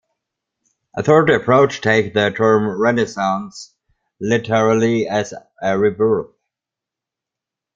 A third approach takes the term "Renaissance" literally as a "rebirth".